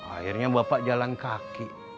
akhirnya bapak jalan kaki